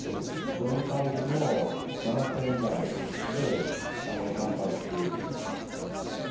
どのサイズも７０００円台で販売していると。